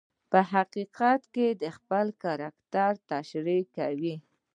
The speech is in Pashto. په حقیقت کې خپل کرکټر تشریح کوي.